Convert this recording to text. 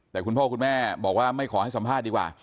แต่คุณพ่อคุณแม่บอกว่าไม่ขอให้สัมภาษณ์ดีกว่า